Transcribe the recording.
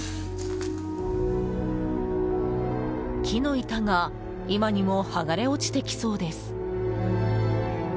木の板が今にも剥がれ落ちてきそうです。